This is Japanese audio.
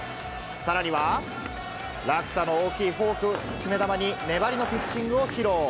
さらには、落差の大きいフォークを決め球に粘りのピッチングを披露。